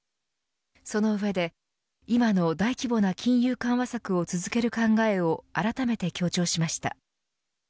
その上で、今の大規模な金融緩和策を続ける考えをあらためて強調しました。